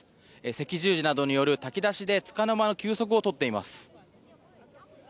赤十字などによる炊き出しでつかの間の休息を取っています。